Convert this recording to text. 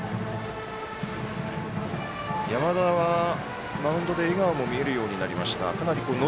山田はマウンドで笑顔も見えるようになりました。